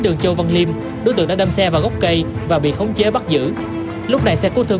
đường châu văn liêm đối tượng đã đâm xe vào gốc cây và bị khống chế bắt giữ lúc này xe cứu thương